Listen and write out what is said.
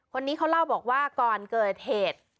คนนี้เขาเล่าบอกว่าก่อนเกิดเหตุ